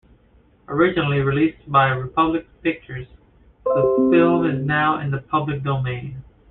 Originally released by Republic Pictures, the film is now in the public domain.